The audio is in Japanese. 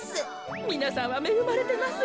みなさんはめぐまれてますよ。